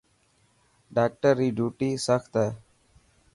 ڊاڪٽر ري ڊوٽي سخت هي.